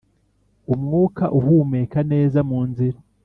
umwuka uhumeka neza munzira